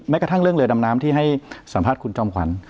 กระทั่งเรื่องเรือดำน้ำที่ให้สัมภาษณ์คุณจอมขวัญ